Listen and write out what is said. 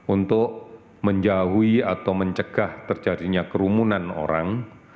untuk menjauhi atau mencegah terjadinya kerumunan orang